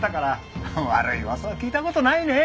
悪い噂は聞いた事ないねえ。